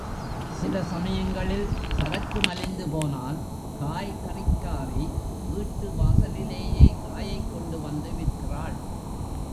சில சமயங்களில் சரக்கு மலிந்து போனால் காய் கறிக்காரி வீட்டு வாசலிலேயே காயைக் கொண்டு வந்து விற்கிறாள்.